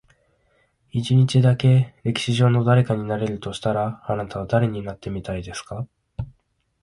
一日だけ、歴史上の誰かになれるとしたら、あなたは誰になってみたいですか？